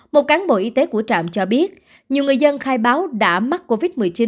một cán bộ y tế của trạm cho biết nhiều người dân khai báo đã mắc covid một mươi chín